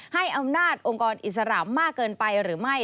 ให้อำนาจองค์กรอิสระมากเกินไปหรือไม่